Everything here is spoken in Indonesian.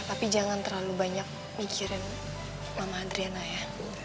tapi jangan terlalu banyak mikirin mama adriana ya